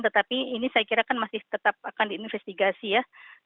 tetapi ini saya kira kan masih tetap akan diinvestigasi ya